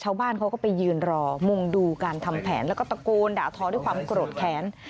ชาวบ้านเขาก็ไปยืนรองงดูการทำแผนแล้วก็ตะโกนด่าทอด้วยความโกรธแค้น